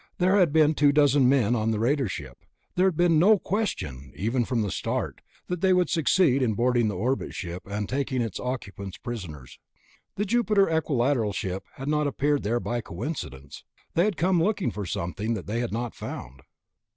There had been two dozen men on the raider ship; there had been no question, even from the start, that they would succeed in boarding the orbit ship and taking its occupants prisoners. The Jupiter Equilateral ship had not appeared there by coincidence. They had come looking for something that they had not found.